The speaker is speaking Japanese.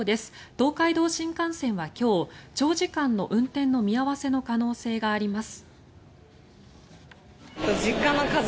東海道新幹線は今日長時間の運転の見合わせの可能性があります。